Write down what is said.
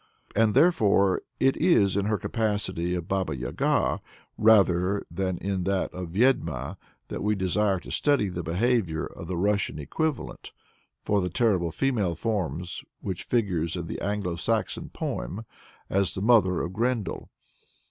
And therefore it is in her capacity of Baba Yaga, rather than in that of Vyed'ma, that we desire to study the behavior of the Russian equivalent for the terrible female form which figures in the Anglo Saxon poem as the Mother of Grendel.